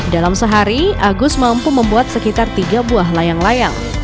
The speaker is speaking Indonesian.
dalam sehari agus mampu membuat sekitar tiga buah layang layang